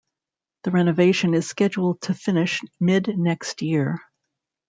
The renovation is scheduled to finish mid next year.